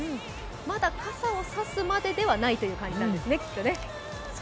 まだ傘を差すまでではないという感じなんでしょうね。